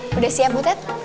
sudah siap butet